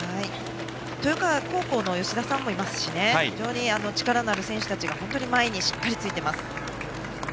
豊川高校の吉田さんもいますし非常に力のある選手たちがしっかり前についています。